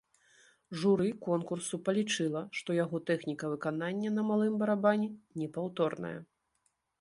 Журы конкурсу палічыла, што яго тэхніка выканання на малым барабане непаўторная.